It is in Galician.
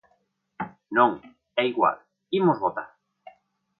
Non, é igual, imos votar.